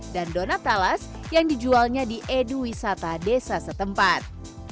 dan donat talas yang dijualnya di edu wisata desa setempat